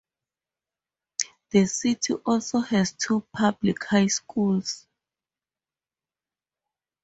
The city also has two public high schools.